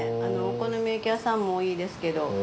あのお好み焼き屋さんも多いですけど。